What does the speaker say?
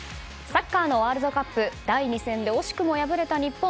サッカーのワールドカップ第２戦で惜しくも敗れた日本。